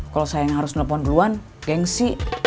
kalau saya yang harus nelpon duluan gengsi